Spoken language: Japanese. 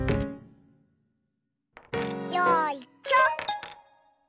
よいしょ。